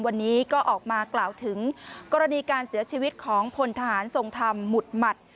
วันนี้ก็ออกมากล่าวถึงกรณีการเสียชีวิตของพลทหารทรงธรรมหมุดหมัด